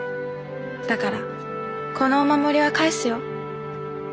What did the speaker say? だからこのお守りは返すよ。